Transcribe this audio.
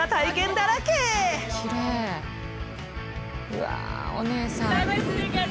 うわおねえさん。